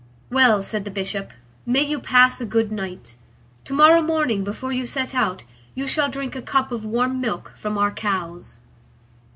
"Well," said the Bishop, "may you pass a good night. To morrow morning, before you set out, you shall drink a cup of warm milk from our cows."